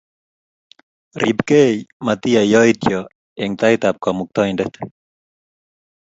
Ripkei matiyai yaityo eng' tait ap Kamuktaindet.